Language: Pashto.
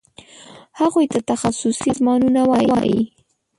هغوی ته تخصصي سازمانونه وایي.